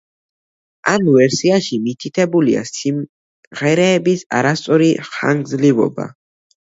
ამ ვერსიაში მითითებულია სიმღერების არასწორი ხანგრძლივობა.